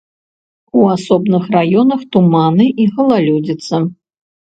У асобных раёнах туманы і галалёдзіца.